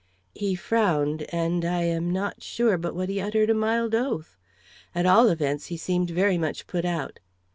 He frowned, and I am not sure but what he uttered a mild oath. At all events, he seemed very much put out.